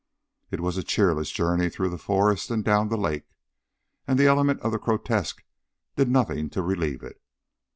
It was a cheerless journey through the forest and down the lake, and the element of the grotesque did nothing to relieve it.